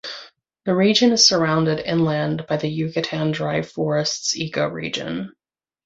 The region is surrounded inland by the Yucatan dry forests ecoregion.